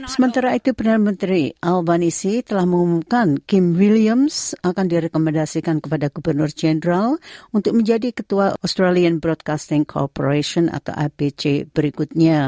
sementara itu perdana menteri alvanisi telah mengumumkan kim williams akan direkomendasikan kepada gubernur jenderal untuk menjadi ketua australian broadcasting corporation atau abc berikutnya